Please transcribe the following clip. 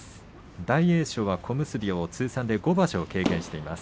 大栄翔は小結を通算で５場所経験しています。